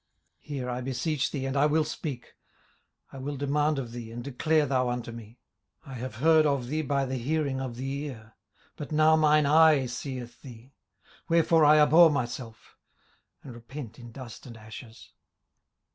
18:042:004 Hear, I beseech thee, and I will speak: I will demand of thee, and declare thou unto me. 18:042:005 I have heard of thee by the hearing of the ear: but now mine eye seeth thee. 18:042:006 Wherefore I abhor myself, and repent in dust and ashes.